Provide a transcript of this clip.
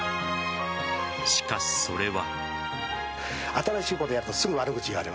しかし、それは。